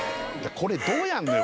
これどうやんのよ